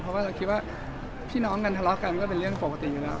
เพราะว่าเราคิดว่าพี่น้องกันทะเลาะกันก็เป็นเรื่องปกติอยู่แล้ว